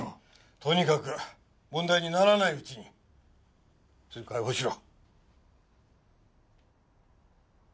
とにかく問題にならないうちにすぐ解放しろ。